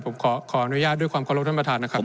ผมขออนุญาตด้วยความเคารพท่านประธานนะครับ